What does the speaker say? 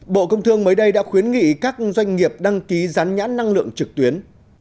bộ công thương mới đây đã khuyến nghị các doanh nghiệp đăng ký gián nhãn năng lượng trực tuyến